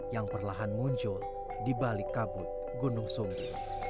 yang perlahan muncul di balik kabut gunung sumbi